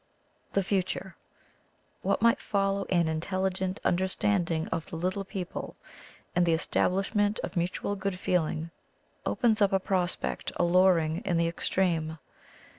*'The Future. — What might follow an intelligent understanding of the 'little peo ple,' and the establishment of mutual good feeling, opens up a prospect alluring in the extreme.